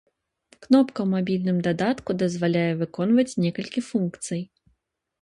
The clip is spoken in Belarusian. Кнопка ў мабільным дадатку дазваляе выконваць некалькі функцый.